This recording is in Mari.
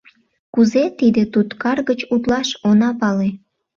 Кузе тиде туткар гыч утлаш, она пале.